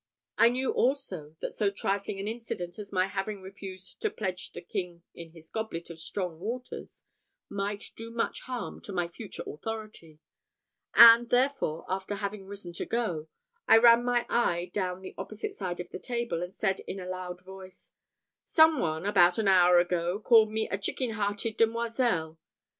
I knew, also, that so trifling an incident as my having refused to pledge the King in his goblet of strong waters might do much harm to my future authority; and, therefore, after having risen to go, I ran my eye down the opposite side of the table, and said in aloud voice, "Some one, about an hour ago, called me 'a chicken hearted demoiselle.'